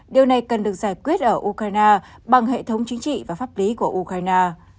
điều này cần được giải quyết ở ukraine bằng hệ thống chính trị và pháp lý của ukraine